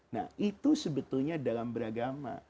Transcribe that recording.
nah itu sebetulnya dalam beragama